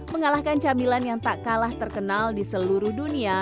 mengalahkan camilan yang tak kalah terkenal di seluruh dunia